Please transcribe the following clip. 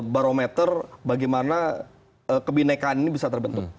barometer bagaimana kebinekaan ini bisa terbentuk